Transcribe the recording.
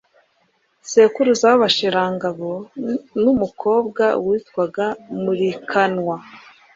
sekuruza w'Abasharangabo n'umukobwa witwaga Mulikanwa.